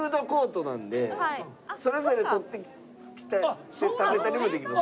それぞれ取ってきて食べたりもできます。